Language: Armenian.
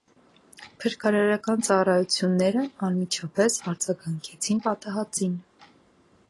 Փրկարարական ծառայություններն անմիջապես արձագանքեցին պատահածին։